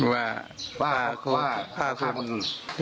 ว่าว่าว่าว่าฆ่าผมอืม